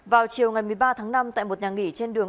vào chiều ngày một mươi ba tháng năm tại một nhà nghỉ trên đường